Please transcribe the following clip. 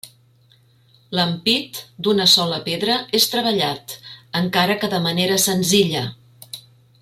L'ampit, d'una sola pedra, és treballat; encara que de manera senzilla.